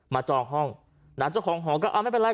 มาจ้องห้องเจ้าของหอก็อ่าไม่เป็นไร